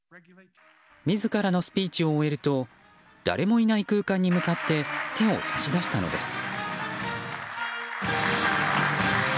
自らのスピーチを終えると誰もいない空間に向かって手を差し出したのです。